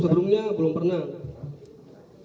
sebelumnya belum pernah